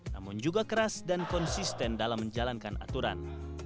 namun juga keras dan konsisten dalam menjalankan aturan